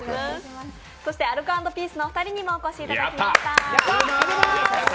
そしてアルコ＆ピースのお二人にもお越しいただきました。